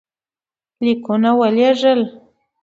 لیکونه ولېږل.